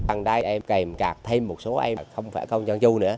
bằng đây em kèm cạt thêm một số em không phải công trang trung nữa